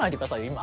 今。